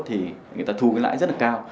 thì người ta thu cái lãi rất là cao